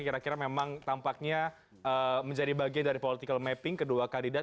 kira kira memang tampaknya menjadi bagian dari political mapping kedua kandidat